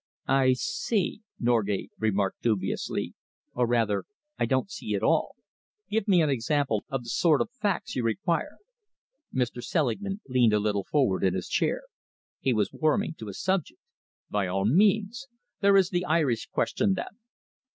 "I see," Norgate remarked dubiously, "or rather I don't see at all. Give me an example of the sort of facts you require." Mr. Selingman leaned a little forward in his chair. He was warming to his subject. "By all means. There is the Irish question, then."